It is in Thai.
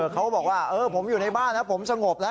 เขาบอกว่าผมอยู่ในบ้านแล้วผมสงบแล้ว